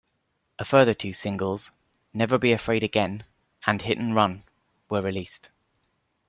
A further two singles, "Never Be Afraid Again" and "Hit 'n Run" were released.